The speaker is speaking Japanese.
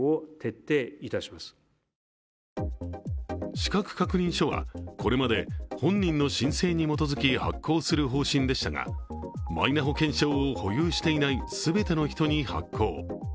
資格確認書はこれまで、本人の申請に基づき発行する方針でしたがマイナ保険証を保有していない全ての人に発行。